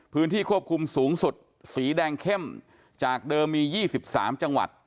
พื้นที่ควบคุมสูงสุดสีแดงเข้มจากเดิมมี๒๓จังหวัด